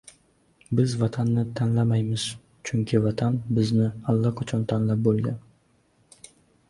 Biz Vatanni tanlamaymiz, chunki Vatan bizni allaqachon tanlab bo‘lgan.